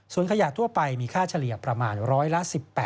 ส่วนขยะทั่วไปมีค่าเฉลี่ยประมาณร้อยละ๑๘